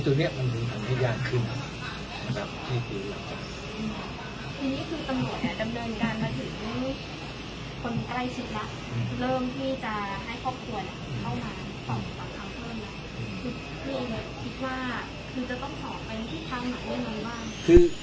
คือสมโงยดำเนินการมาถึงคนใกล้ชิดแล้วอืม